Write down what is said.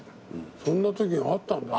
そんなときがあったんだ。